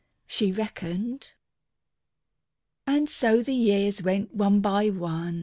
She reckoned. And so the years went one by one.